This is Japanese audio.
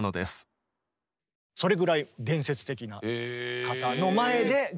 それぐらい伝説的な方の前でえぇ。